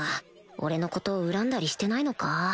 俺のこと恨んだりしてないのか？